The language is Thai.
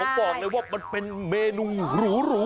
ผมบอกเลยว่ามันเป็นเมนูหรู